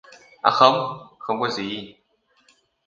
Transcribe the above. à không Không có gì